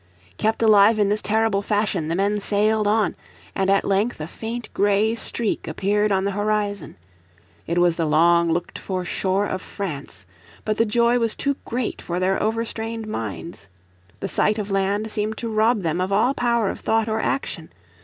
Kept alive in this terrible fashion the men sailed on, and at length a faint grey streak appeared on the horizon. It was the long looked for shore of France. But the joy was too great for their over strained minds. The sight of land seemed to rob them of all power of thought or action.